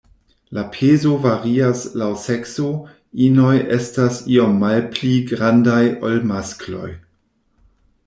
La pezo varias laŭ sekso, inoj estas iom malpli grandaj ol maskloj.